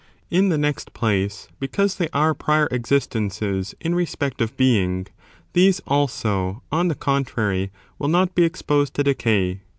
In the next place, because they are prior existences in respect of being, these, also, on the contrary, will not be exposed to decay.